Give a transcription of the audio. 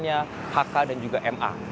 hanya hk dan juga ma